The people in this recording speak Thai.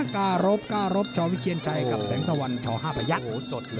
ก้ารบก้ารบชวิเคียนชัยกับแสงตะวันชห้าพระยักษ์